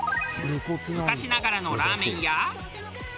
昔ながらのラーメンや。